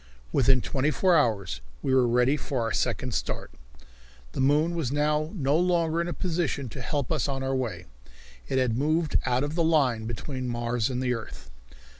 Within twenty four hours we were ready for our second start. The moon was now no longer in a position to help us on our way. It had moved out of the line between Mars and the earth.